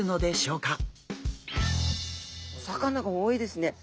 お魚が多いですね。